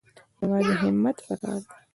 یوازې همت پکار دی